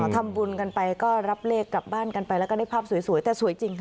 ทำบุญกันไปก็รับเลขกลับบ้านกันไปแล้วก็ได้ภาพสวยแต่สวยจริงค่ะ